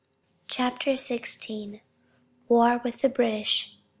CHAPTER XVI. WAR WITH THE BRITISH.